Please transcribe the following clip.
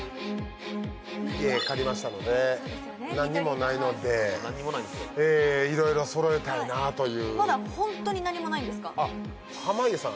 家借りましたので、何もないのでいろいろそろえたいなという。